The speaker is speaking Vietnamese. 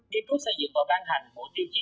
đi trước xây dựng và ban hành mẫu tiêu chí